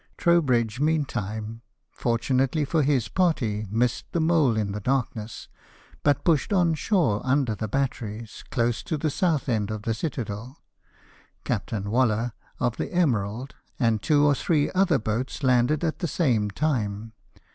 Trowbridge mean time, fortunately for his party, missed the mole in the darkness, but pushed on shore under the batteries, close to the south end of the citadel. Cap tarn Waller of the Emerald, and two or three other boats, landed at the same time.